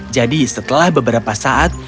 jadi setelah beberapa saat